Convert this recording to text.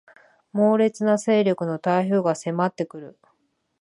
猛烈な勢力の台風が迫ってくる